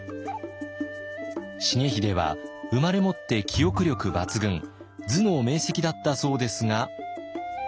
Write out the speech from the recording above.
重秀は生まれもって記憶力抜群頭脳明せきだったそうですが。